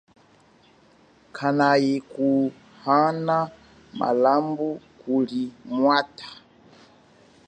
Kanayi kuhana mulambu kuli mwatha.